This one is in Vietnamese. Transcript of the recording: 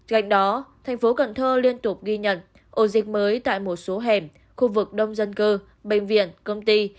gạch đó tp hcm liên tục ghi nhận ổ dịch mới tại một số hẻm khu vực đông dân cơ bệnh viện công ty